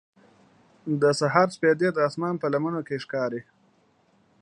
د سهار سپېدې د اسمان په لمنو کې ښکاري.